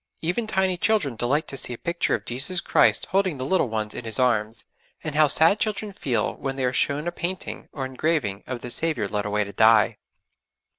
Even tiny children delight to see a picture of Jesus Christ holding the little ones in His arms; and how sad children feel when they are shown a painting or engraving of the Saviour led away to die!